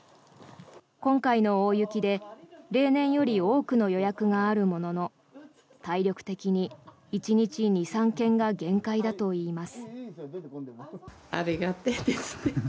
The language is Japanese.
今回の大雪で例年より多くの予約があるものの体力的に１日２３軒が限界だといいます。